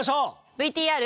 ＶＴＲ。